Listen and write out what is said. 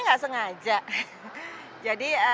nggak sengaja jadi